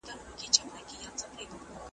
پورته به ملاله په رنګین بیرغ کي چیغه کړي `